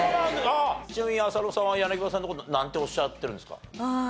ちなみに浅野さんは柳葉さんの事なんておっしゃってるんですか？